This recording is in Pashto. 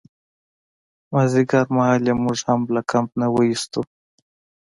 مازدیګرمهال یې موږ هم له کمپ نه ویستو.